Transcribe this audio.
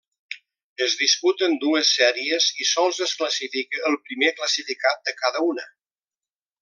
Es disputen dues sèries i sols es classifica el primer classificat de cada una.